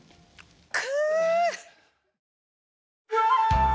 く。